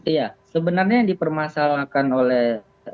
iya sebenarnya yang dipermasalahkan oleh